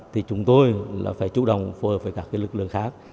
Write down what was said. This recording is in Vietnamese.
thì chúng tôi là phải chủ động phù hợp với các cái lực lượng khác